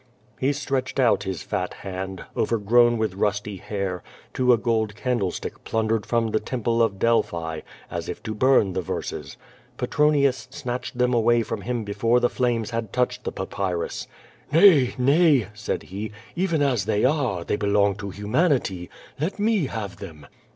He stretched out his fat hand, overgrown with rusty hair, to a gold candle stick plundered from the temple of Delphi, as if to burn the verses. Petronius snatched them away from him before the flames had touched the papyrus. "Xay, nay," said he, *'even as they are, they belong to hu man it v. lA*t me have them."